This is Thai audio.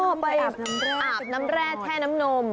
เอาไปอาบน้ำแร่แช่น้ำนม